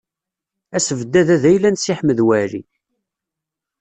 Asebdad-a d ayla n Si Ḥmed Waɛli.